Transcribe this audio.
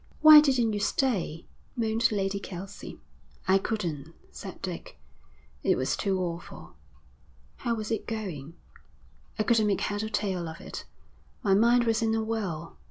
'Why didn't you stay?' moaned Lady Kelsey. 'I couldn't,' said Dick. 'It was too awful.' 'How was it going?' 'I couldn't make head or tail of it. My mind was in a whirl.